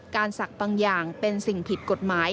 ศักดิ์บางอย่างเป็นสิ่งผิดกฎหมาย